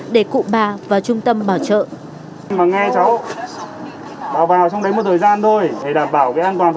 để cụ bà vào trung tâm bảo trợ